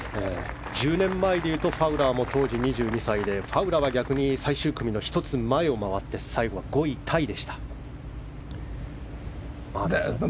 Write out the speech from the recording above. １０年前でいうとファウラーも当時２２歳でファウラーは逆に最終組の１つ前を回って最後は５位タイでした。